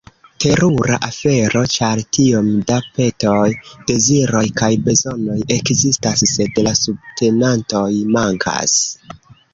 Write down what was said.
Terura afero, ĉar tiom da petoj, deziroj kaj bezonoj ekzistas, sed la subtenantoj mankas.